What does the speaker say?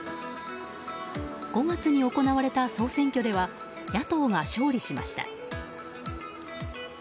５月に行われた総選挙では野党が勝利しました。